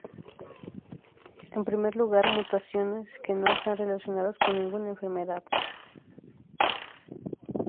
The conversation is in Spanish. En primer lugar, mutaciones que no están relacionadas con ninguna enfermedad.